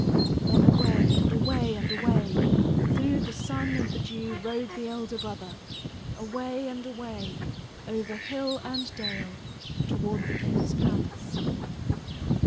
Then away, and away, and away, through the sun and the dew rode the elder brother away and away over hill and dale toward the king's palace.